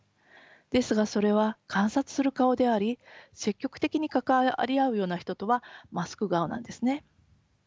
ですがそれは観察する顔であり積極的に関わり合うような人とはマスク顔なんですね。